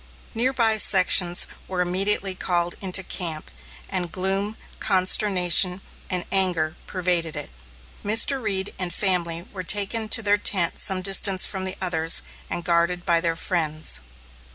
Near by sections were immediately called into camp, and gloom, consternation, and anger pervaded it. Mr. Reed and family were taken to their tent some distance from the others and guarded by their friends.